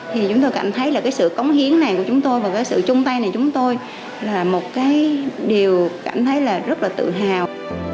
thì chúng tôi cảm thấy là cái sự cống hiến này của chúng tôi và cái sự chung tay này chúng tôi là một cái điều cảm thấy là rất là tự hào